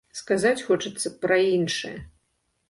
Сказаць хочацца пра іншае.